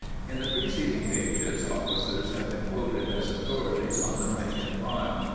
* In the preceding pages officers have been quoted as authorities on the rank and file.